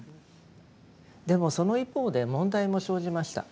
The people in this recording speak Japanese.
でもその一方で問題も生じました。